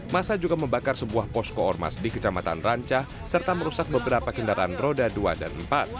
masa juga membakar sebuah posko ormas di kecamatan rancah serta merusak beberapa kendaraan roda dua dan empat